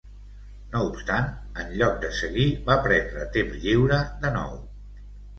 No obstant, en lloc de seguir va prendre temps lliure de nou.